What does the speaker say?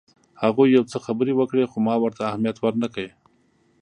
هغوی یو څه خبرې وکړې خو ما ورته اهمیت ورنه کړ.